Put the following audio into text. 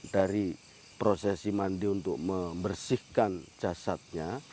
dari prosesi mandi untuk membersihkan jasadnya